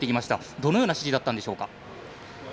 どのような指示だったんでしょうか。